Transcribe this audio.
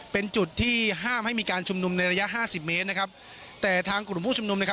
เป็นจุดที่ห้ามให้มีการชุมนุมในระยะห้าสิบเมตรนะครับแต่ทางกลุ่มผู้ชุมนุมนะครับ